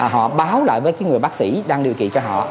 họ báo lại với người bác sĩ đang điều trị cho họ